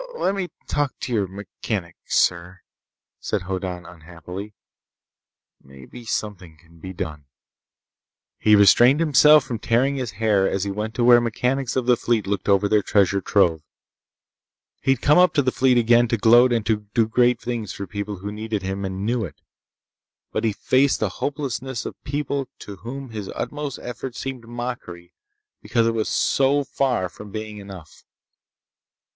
"L—let me talk to your mechanics, sir," said Hoddan unhappily. "Maybe something can be done." He restrained himself from tearing his hair as he went to where mechanics of the fleet looked over their treasure trove. He'd come up to the fleet again to gloat and do great things for people who needed him and knew it. But he faced the hopelessness of people to whom his utmost effort seemed mockery because it was so far from being enough.